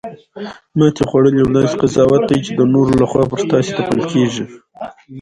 ماتې خوړل یو داسې قضاوت دی چې د نورو لخوا پر تاسې تپل کیږي